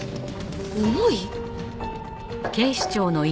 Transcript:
重い？